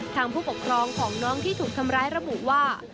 ผู้ปกครองของน้องที่ถูกทำร้ายระบุว่า